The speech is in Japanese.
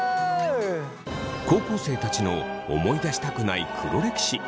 高校生たちの思い出したくない黒歴史。